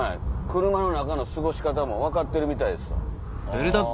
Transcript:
車の中の過ごし方も分かってるみたいですわ。